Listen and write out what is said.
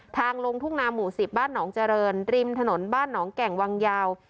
ทางลงทุ่งนาหมู่๑๐บ้านหนองเจริญริมถนนบ้านหนองแก่งวังยาว